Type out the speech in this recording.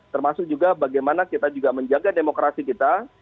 termasuk juga bagaimana kita juga menjaga demokrasi kita